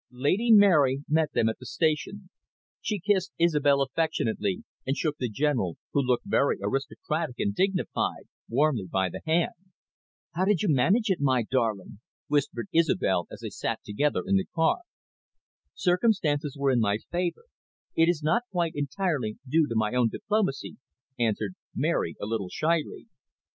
Lady Mary met them at the station. She kissed Isobel affectionately, and shook the General, who looked very aristocratic and dignified, warmly by the hand. "How did you manage it, you darling?" whispered Isobel as they sat together in the car. "Circumstances went in my favour; it is not quite entirely due to my own diplomacy," answered Mary a little shyly.